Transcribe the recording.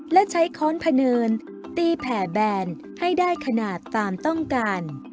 และใช้ค้อนพเนินตีแผ่แบนให้ได้ขนาดตามต้องการ